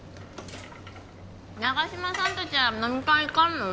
長嶋さん達は飲み会行かんの？